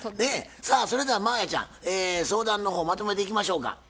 さあそれでは真彩ちゃん相談の方まとめていきましょうか。